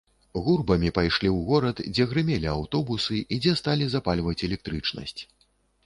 Гурбамі пайшлі ў горад, дзе грымелі аўтобусы і дзе сталі запальваць электрычнасць.